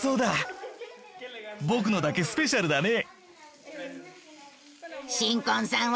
僕のだけスペシャルだね！